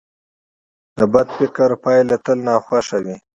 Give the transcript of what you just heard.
د بد فکر پایله تل ناخوښه وي.